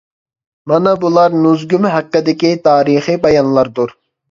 مانا بۇلار نۇزۇگۇم ھەققىدىكى تارىخى بايانلاردۇر.